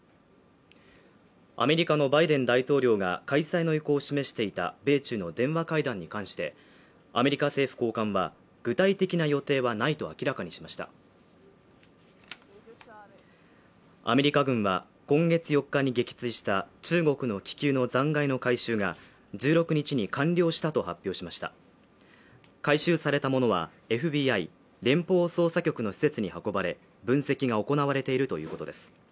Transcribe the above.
アメリカのバイデン大統領が開催の意向を示していた米中の電話会談に関してアメリカ政府高官は具体的な予定はないと明らかにしましたアメリカ軍は今月４日に撃墜した中国の気球の残骸の回収が１６日に完了したと発表しました回収されたものはＦＢＩ＝連邦捜査局の施設に運ばれ分析が行われているということです